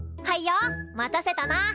待たせたな。